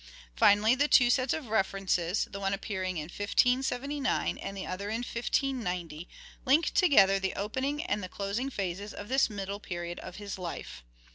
Finally, the two sets of references, the one appearing in 1579 and the other in 1590, link together the opening and the closing phases of this middle period of his life.